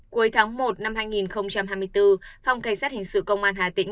cuối tháng một năm hai nghìn hai mươi bốn phòng cảnh sát hình sự công an hà tĩnh